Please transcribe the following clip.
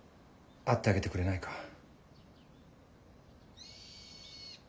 会ってあげてくれないか。